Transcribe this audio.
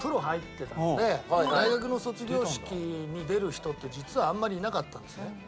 入ってたので大学の卒業式に出る人って実はあんまりいなかったんですね。